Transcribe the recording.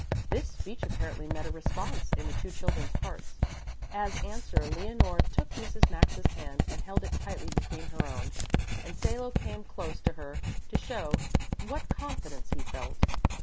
This speech apparently met a response in the two children's hearts. As answer Leonore took Mrs. Maxa's hand and held it tight between her own, and Salo came close to her to show what confidence he felt.